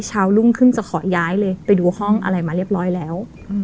รุ่งขึ้นจะขอย้ายเลยไปดูห้องอะไรมาเรียบร้อยแล้ว